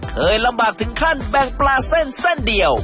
เคยลำบากถึงขั้นแบ่งปลาเส้นเส้นเดียว